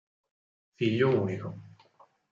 Figlio unico